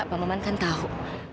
pak maman kan tahu